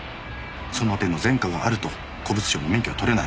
その手の前科があると古物商の免許は取れない。